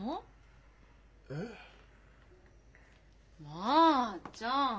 まあちゃん。